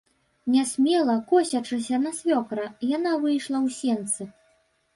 Нясмела, косячыся на свёкра, яна выйшла ў сенцы.